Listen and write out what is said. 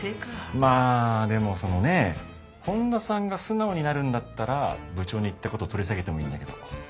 まあでもそのね本田さんが素直になるんだったら部長に言ったこと取り下げてもいいんだけど。